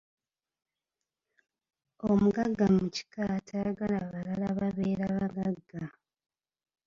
Omugagga mu kika tayagala balala babeere bagagga.